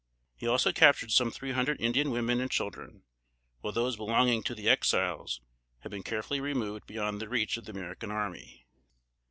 He also captured some three hundred Indian women and children, while those belonging to the Exiles had been carefully removed beyond the reach of the American army.